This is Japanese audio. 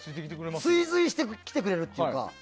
追随してきてくれるっていうか。